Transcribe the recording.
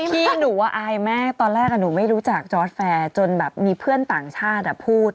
พี่หนูอายมากตอนแรกหนูไม่รู้จักจอร์ดแฟร์จนแบบมีเพื่อนต่างชาติพูด